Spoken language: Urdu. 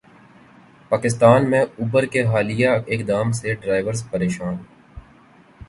پاکستان میں اوبر کے حالیہ اقدام سے ڈرائیورز پریشان